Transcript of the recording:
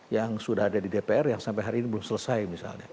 yang sudah ada di dpr yang sampai hari ini belum selesai misalnya